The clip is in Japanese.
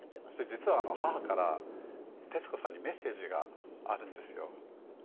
実は母から徹子さんにメッセージがあるんですよ。